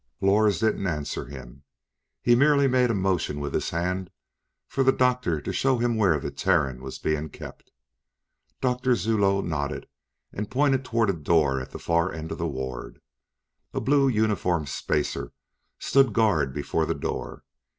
Lors didn't answer him. He merely made a motion with his hand for the doctor to show him where the Terran was being kept. Doctor Zuloe nodded and pointed toward a door at the far end of the ward. A blue uniformed spacer stood guard before the door.